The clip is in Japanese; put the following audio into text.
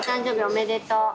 「おめでとう」は？